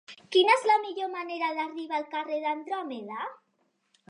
Quina és la millor manera d'arribar al carrer d'Andròmeda?